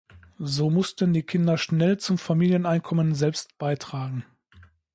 So mussten die Kinder schnell zum Familieneinkommen selbst beitragen.